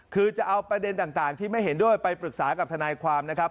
คือจะเอาประเด็นต่างที่ไม่เห็นด้วยไปปรึกษากับทนายความนะครับ